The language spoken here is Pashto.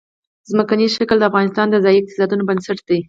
ځمکنی شکل د افغانستان د ځایي اقتصادونو بنسټ دی.